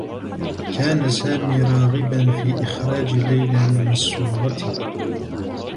كان سامي راغبا في إخراج ليلى من الصّورة.